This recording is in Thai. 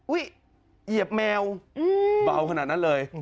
เหยียบแมวเบาขนาดนั้นเลย